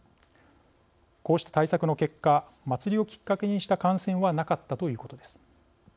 こうした対策の結果祭りをきっかけにした感染はなかったということです。